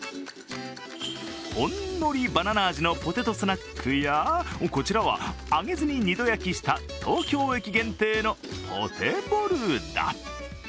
ほんのりバナナ味のポテトスナックや、こちらは、揚げずに二度焼きした東京駅限定のポテボルダ。